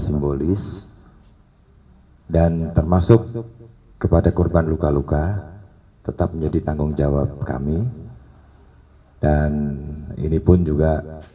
simbolis dan termasuk kepada korban luka luka tetap menjadi tanggung jawab kami dan ini pun juga